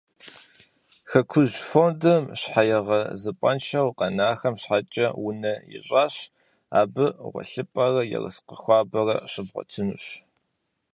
«Хэкужь» фондым щхьэегъэзыпӏэншэу къэнахэм щхьэкӏэ унэ ищӏащ. Абы гъуэлъыпӏэрэ ерыскъы хуабэрэ щыбгъуэтынущ.